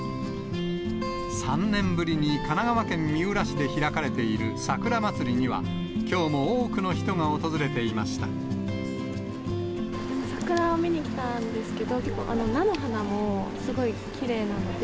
３年ぶりに神奈川県三浦市で開かれている桜まつりには、きょうも桜を見に来たんですけど、結構、菜の花もすごいきれいなので。